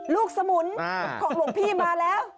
สมุนของหลวงพี่มาแล้ว